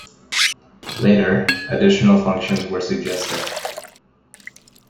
Later, additional functions were suggested.